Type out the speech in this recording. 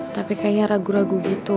tapi kayaknya ragu ragu gitu